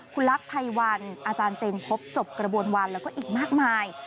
คุณลักษณ์ภัยวันอาจารย์เจนพบจบกระบวนวันแล้วก็อีกมากมาย